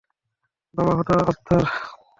বাবা হতো আর্থার!